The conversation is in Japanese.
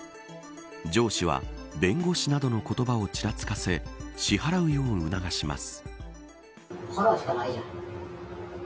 上司は弁護士などの言葉をちらつかせ支払うように促します。